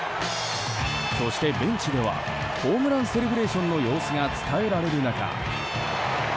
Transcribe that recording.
そして、ベンチではホームランセレブレーションの様子が伝えられる中。